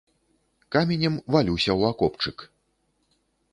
Каменем валюся ў акопчык.